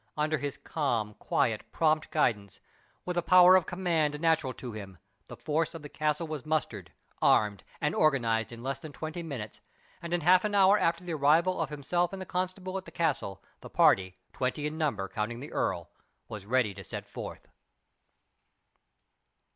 Under his calm, quiet, prompt guidance, with a power of command natural to him, the force of the castle was mustered, armed, and organized in less than twenty minutes, and in half an hour after the arrival of himself and the constable at the castle the party, twenty in number, counting the earl, was ready to set forth.